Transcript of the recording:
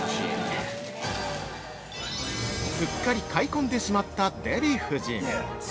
◆すっかり買い込んでしまったデヴィ夫人。